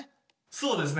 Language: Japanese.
そうですね